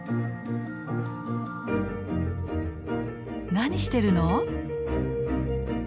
何してるの？